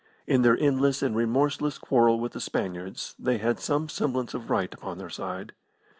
In their endless and remorseless quarrel with the Spaniards they had some semblance of right upon their side.